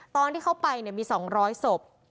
ตอนที่เขาไปมี๒๐๐ศพ